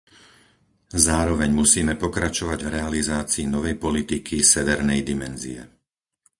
Zároveň musíme pokračovať v realizácii novej politiky Severnej dimenzie.